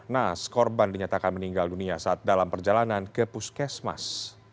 naas korban dinyatakan meninggal dunia saat dalam perjalanan ke puskesmas